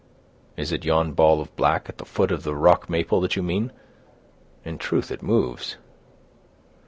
"Is it yon ball of black, at the foot of the rock maple, that you mean? In truth it moves."